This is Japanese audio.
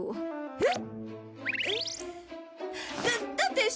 えっ？